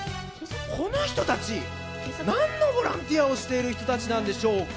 この人たち何のボランティアをしている人たちなんでしょうか？